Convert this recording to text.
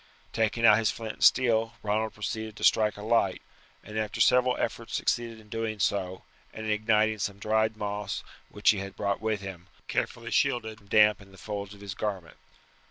Taking out his flint and steel, Ronald proceeded to strike a light, and after several efforts succeeded in doing so and in igniting some dried moss which he had brought with him, carefully shielded from damp in the folds of his garment.